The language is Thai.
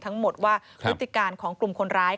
ทั้งหมดว่าพฤติการของกลุ่มคนร้าย